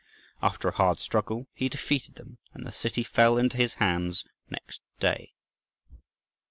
After a hard struggle he defeated them, and the city fell into his hands next clay.